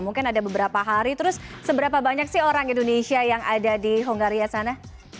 mungkin ada beberapa hari terus seberapa banyak sih orang indonesia yang ada di hongaria sana